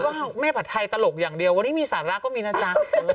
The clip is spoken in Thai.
ก็แม่ผัดไทยตลกอย่างเดียววันนี้มีสาระก็มีนะจ๊ะ